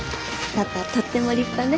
パパとっても立派ね。